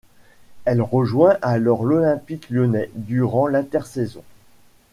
Elle rejoint alors l'Olympique lyonnais durant l'intersaison.